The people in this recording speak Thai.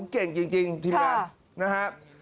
เก่งจริงทีมงานนะครับ